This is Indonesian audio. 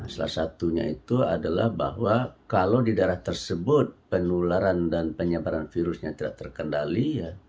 salah satunya itu adalah bahwa kalau di daerah tersebut penularan dan penyebaran virusnya tidak terkendali